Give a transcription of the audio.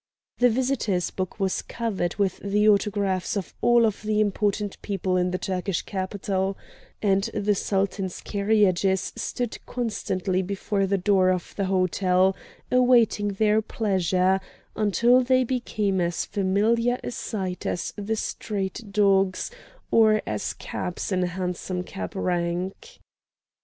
The visitors' book was covered with the autographs of all of the important people in the Turkish capital, and the Sultan's carriages stood constantly before the door of the hotel, awaiting their pleasure, until they became as familiar a sight as the street dogs, or as cabs in a hansom cab rank.